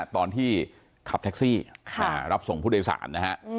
ตอนที่ขับแท็กซี่รับส่งผู้โดยสารนะฮะ